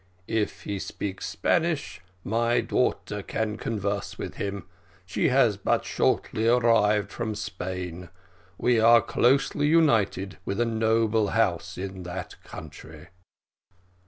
"If he speaks Spanish my daughter can converse with him; she has but shortly arrived from Spain. We are closely united with a noble house in that country."